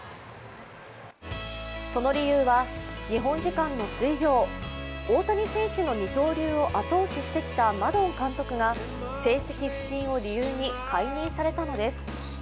その理由は、日本時間の水曜、大谷選手の二刀流を後押ししてきたマドン監督が成績不振を理由に解任されたのです。